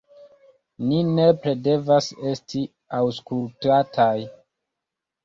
Ni nepre devas esti aŭskultataj.